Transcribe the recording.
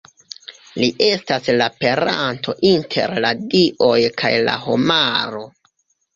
Li estas la peranto inter la dioj kaj la homaro.